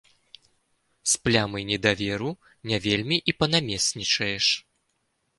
З плямай недаверу не вельмі і панамеснічаеш.